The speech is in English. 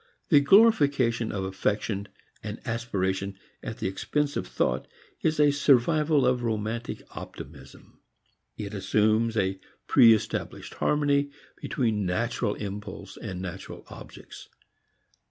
The glorification of affection and aspiration at the expense of thought is a survival of romantic optimism. It assumes a pre established harmony between natural impulse and natural objects.